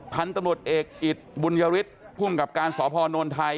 พันธุ์ตำรวจเอกอิตบุญยวิทย์ผู้กับการสอบภอนวลไทย